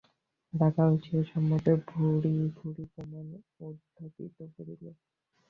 রাখাল সে সম্বন্ধে ভুরি ভুরি প্রমাণ উত্থাপিত করিল।